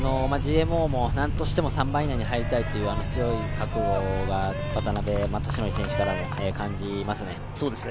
なんとしても３番以内に入りたいという強い覚悟が渡邉利典選手からも感じますね。